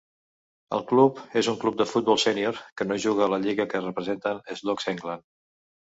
El club és un club de futbol sénior que no juga a la lliga que representa Slough, England.